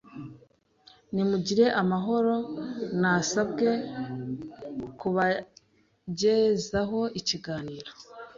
Nimugire amahoro! Nasabwe kubagezaho ikiganiro